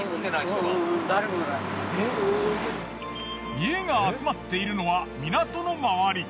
家が集まっているのは港の周り。